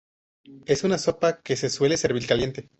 Es una sopa que se suele servir caliente.